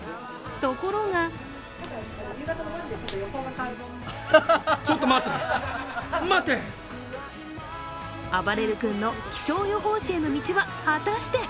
ところがあばれる君の気象予報士への道は果たして。